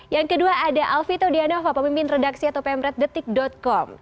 yang kedua ada alvito dianova pemimpin redaksi atau pemret detik com